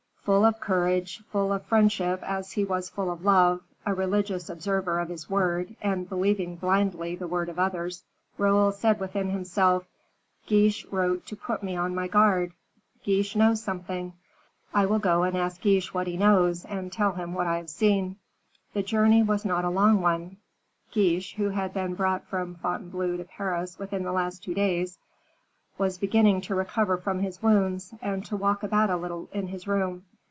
Full of courage, full of friendship as he was full of love; a religious observer of his word, and believing blindly the word of others, Raoul said within himself, "Guiche wrote to put me on my guard, Guiche knows something; I will go and ask Guiche what he knows, and tell him what I have seen." The journey was not a long one. Guiche, who had been brought from Fontainebleau to Paris within the last two days, was beginning to recover from his wounds, and to walk about a little in his room.